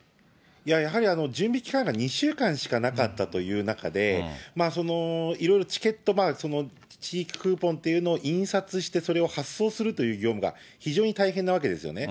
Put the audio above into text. いや、やはり準備期間が２週間しかなかったという中で、いろいろチケット、地域クーポンというのを印刷して、それを発送するという業務が非常に大変なわけですよね。